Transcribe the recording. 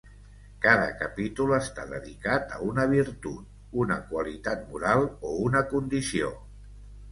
Cada capítol està dedicat a una virtut, una qualitat moral o una condició.